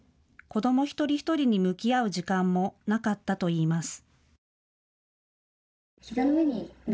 子ども一人一人に向き合う時間もなかったといいます。